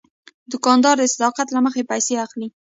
دوکاندار د صداقت له مخې پیسې اخلي.